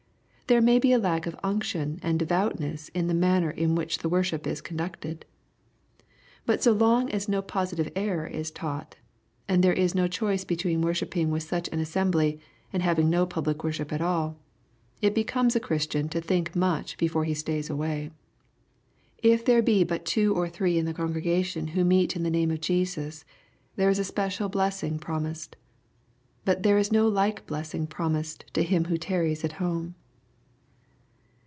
There may be a lack of unction and devoutness in the manner in which the worship is conducted. But so long as no positive error is taught, and there is no choice between worshipping with such an assembly, and having no public worship at all, it becomes a Christian to think much before he stays away. If there be but two or three in the congregation who meet in the name of Jesus, there is a special blessing promised. But there is no like blessing promised to him who tarries at home.